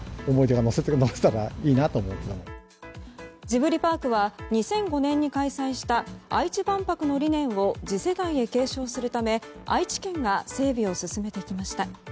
ジブリパークは２００５年に開催した愛知万博の理念を次世代へ継承するため愛知県が整備を進めてきました。